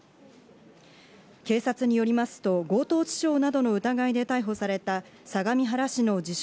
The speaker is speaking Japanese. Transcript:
警察によりますと、強盗致傷などの疑いで逮捕された相模原市の自称